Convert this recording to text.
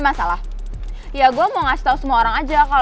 tidak kayaknya w tidak mungkin